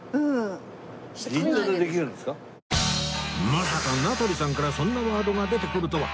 まさか名取さんからそんなワードが出てくるとは